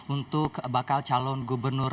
untuk bakal calon gubernur